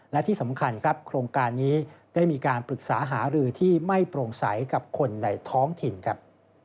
และที่สำคัญครับโครงการนี้ได้มีการปรึกษาหารือที่ไม่โปร่งใสกับคนในท้องถิ่นครับ